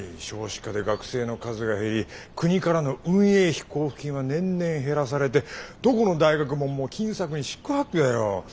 少子化で学生の数が減り国からの運営費交付金は年々減らされてどこの大学ももう金策に四苦八苦だよ。